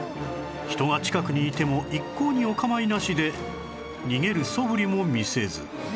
人が近くにいても一向にお構いなしで逃げるそぶりも見せず